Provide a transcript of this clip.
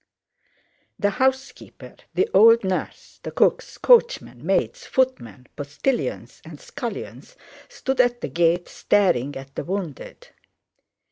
The housekeeper, the old nurse, the cooks, coachmen, maids, footmen, postilions, and scullions stood at the gate, staring at the wounded.